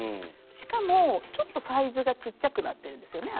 しかもちょっとサイズがちっちゃくなってるんですよね